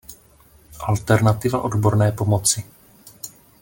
Alternativa Odborné pomoci.